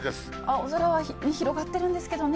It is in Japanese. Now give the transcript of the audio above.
青空は広がってるんですけどね。